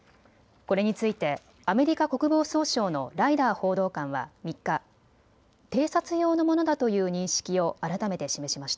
これについてアメリカ国防総省のライダー報道官は３日、偵察用のものだという認識を改めて示しました。